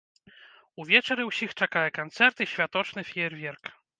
Увечары ўсіх чакае канцэрт і святочны феерверк.